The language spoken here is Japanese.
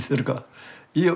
いいよ。